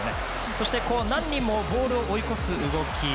そして、何人もボールを追い越す動き。